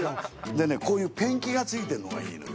でね、こういうペンキがついてるのがいいのよ。